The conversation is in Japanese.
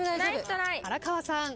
荒川さん。